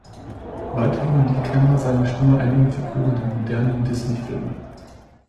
Weiterhin lieh Kemmer seine Stimme einigen Figuren der moderneren Disney-Filme.